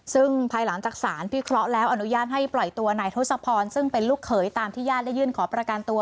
ซึ่งภายหลังจากสารพิเคราะห์แล้วอนุญาตให้ปล่อยตัวนายทศพรซึ่งเป็นลูกเขยตามที่ญาติได้ยื่นขอประกันตัว